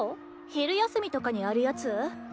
昼休みとかにやるやつ？